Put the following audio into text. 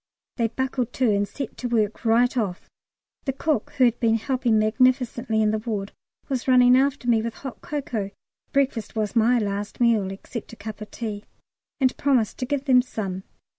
They buckled to and set to work right off. The cook, who had been helping magnificently in the ward, was running after me with hot cocoa (breakfast was my last meal, except a cup of tea), and promised to give them some.